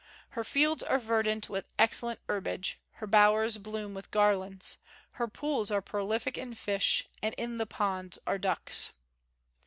"Her fields are verdant with excellent herbage; her bowers bloom with garlands; her pools are prolific in fish; and in the ponds are ducks.